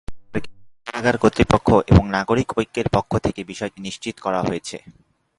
ঢাকা কেন্দ্রীয় কারাগার কর্তৃপক্ষ এবং নাগরিক ঐক্যের পক্ষ থেকে বিষয়টি নিশ্চিত করা হয়েছে।